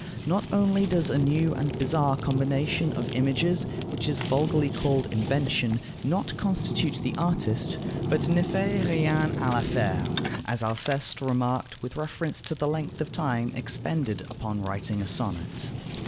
Not only does a new and bizarre combination of images, which is vulgarly called invention, not constitute the artist, but ne fait rien à l'affaire, as Alceste remarked with reference to the length of time expended upon writing a sonnet.